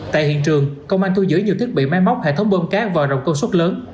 tại hiện trường công an thu giữ nhiều thiết bị máy móc hệ thống bơm cát và rộng công suất lớn